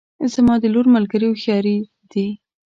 زما د لور ملګرې هوښیارې دي